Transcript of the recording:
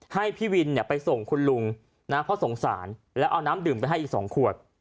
ให้พี่วินไปส่งคุณลุงนะเพราะสงสารแล้วเอาน้ำดื่มไปให้อีก๒ขวด